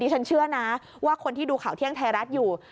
ฉันเชื่อนะว่าคนที่ดูข่าวเที่ยงไทยรัฐอยู่